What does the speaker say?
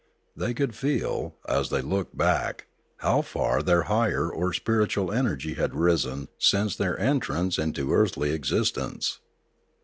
They could feel, as they looked back, how far their higher or spiritual energy had risen since their entrance into earthly ex istence.